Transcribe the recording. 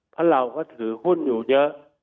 เพราะเราก็ถือหุ้นอยู่เยอะ